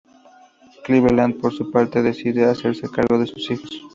Cleveland por su parte decide hacerse cargo de sus hijos.